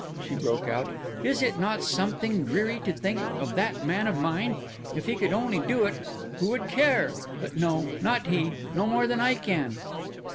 she broke out, "is it not something dreary to think of that man of mine? If he could only do it, who would care? But no—not he—no more than I can!"